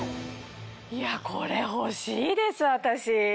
これ欲しいです私。